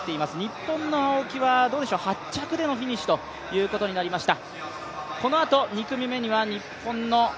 日本の青木は８着でのフィニッシュということになりました。